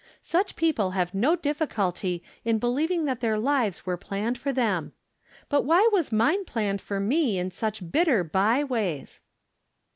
Such people have no difficulty in be lieving that their lives were planned for them. But why was mine planned for me in such bitter by ways